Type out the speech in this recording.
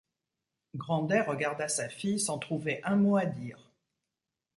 Grandet regarda sa fille sans trouver un mot à dire.